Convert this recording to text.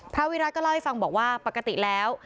วิรัติก็เล่าให้ฟังบอกว่าปกติแล้ว